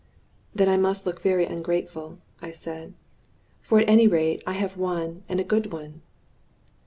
"Then I must look very ungrateful," I said; "for at any rate I have one, and a good one."